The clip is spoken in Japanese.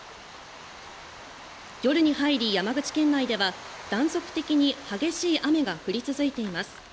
夜に入り、山口県内では断続的に激しい雨が降り続いています。